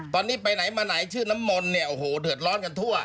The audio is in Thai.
ตอนนี้ไปไหนมาไหนชื่อน้ำมนต์เนี่ยโอ้โหเดือดร้อนกันทั่ว